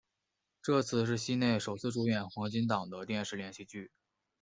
这次是西内首次主演黄金档的电视连续剧。